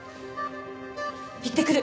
行ってくる。